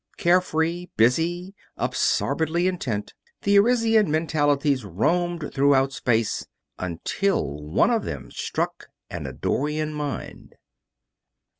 Carefree, busy, absorbedly intent, the Arisian mentalities roamed throughout space until one of them struck an Eddorian mind.